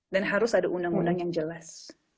dan harus ada undang undang yang jelas